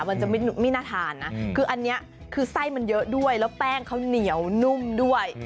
มันจะไม่น่าทานนะคืออันนี้คือไส้มันเยอะด้วยแล้วแป้งเขาเหนียวนุ่มด้วย